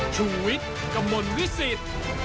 ชุวิตกระมวลวิสิต